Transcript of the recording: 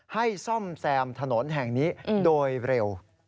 ซ่อมแซมถนนแห่งนี้โดยเร็ว